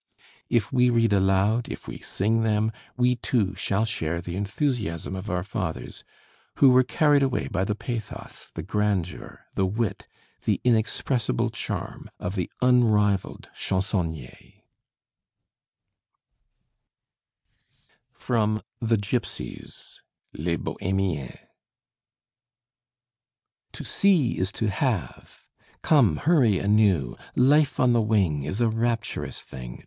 If we read aloud, if we sing them, we too shall share the enthusiasm of our fathers, who were carried away by the pathos, the grandeur, the wit, the inexpressible charm of the unrivaled chansonnier. [Illustration: Signature: ALCÉE FORTIER] FROM 'THE GIPSIES' (LES BOHÉMIENS) To see is to have. Come, hurry anew! Life on the wing Is a rapturous thing.